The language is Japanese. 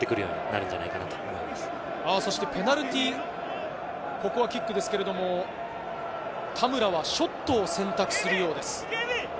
ここはペナルティーキックですけれども、田村はショットを選択するようです。